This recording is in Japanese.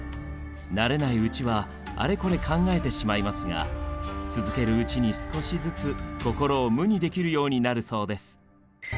慣れないうちはあれこれ考えてしまいますが続けるうちに少しずつ心を無にできるようになるそうです。